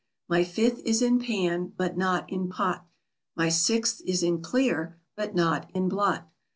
My fifth is in pan, but not in pot. My sixth is in clear, but not in blot.